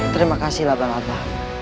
terima kasih laba laba